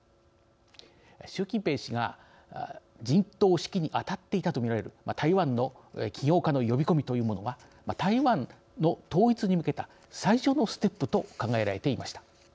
習近平氏が陣頭指揮にあたっていたと見られる台湾の企業家の呼び込みというものは台湾の統一に向けた最初のステップと考えられていました。